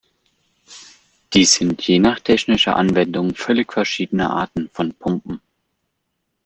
Dies sind je nach technischer Anwendung völlig verschiedene Arten von Pumpen.